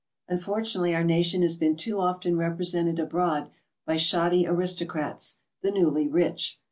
Unfortunately our nation has been too often represented abroad by shoddy aristocrats, the newly rich.